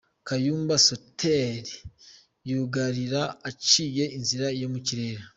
Kayumba Soter yugarira aciye inzira yo mu kirere.